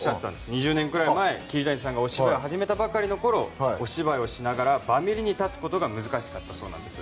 ２０年くらい前、桐谷さんがお芝居を始めたばかりのころお芝居をしながらバミリに立つことが難しかったそうなんです。